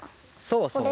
そうそう。